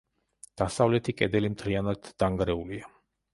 დასავლეთი კედელი მთლიანად დანგრეულია.